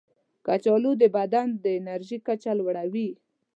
کچالو د بدن د انرژي کچه لوړوي.